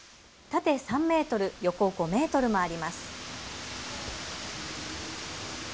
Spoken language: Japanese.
縦３メートル、横５メートルもあります。